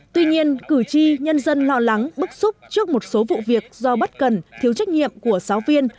tuy nhiên cử tri nhân dân lo lắng bức xúc trước một số vụ việc do bất cần thiếu trách nhiệm của giáo viên